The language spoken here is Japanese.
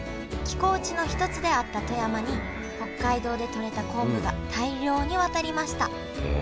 寄港地の一つであった富山に北海道でとれた昆布が大量に渡りました。